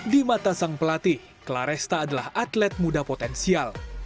di mata sang pelatih claresta adalah atlet muda potensial